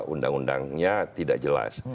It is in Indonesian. undang undangnya tidak jelas